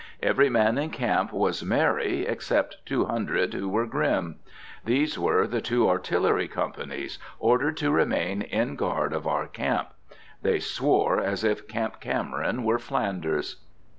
Every man in camp was merry, except two hundred who were grim. These were the two artillery companies, ordered to remain in guard of our camp. They swore as if Camp Cameron were Flanders.